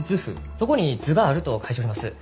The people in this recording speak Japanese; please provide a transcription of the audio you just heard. そこに図があると書いちょります。